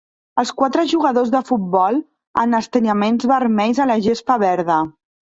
Els quatre jugadors de futbol en estiraments vermells a la gespa verda.